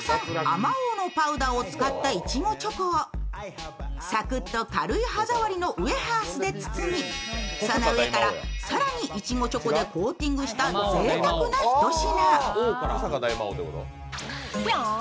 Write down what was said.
まおうのパウダーを使ったいちごチョコをサクッと軽い歯触りのウエハースで包みその上から更にいちごチョコでコーティングしたぜいたくなひと品。